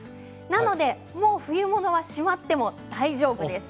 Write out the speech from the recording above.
なのでもう冬物はしまっても大丈夫です。